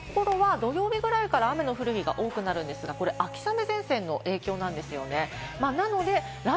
この先見ていくと、札幌は土曜日ぐらいから雨の降る日が多くなるんですが、秋雨前線の影響なんですよね。